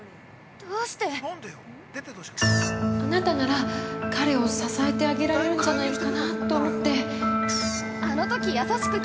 ◆あなたなら彼を支えてあげられるんじゃないのかなと思って。